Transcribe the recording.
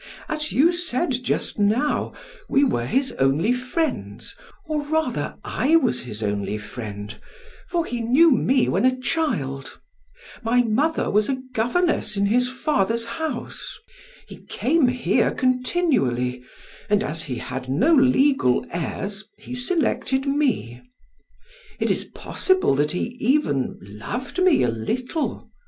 As you said just now, we were his only friends, or rather, I was his only friend, for he knew me when a child. My mother was a governess in his father's house. He came here continually, and as he had no legal heirs, he selected me. It is possible that he even loved me a little.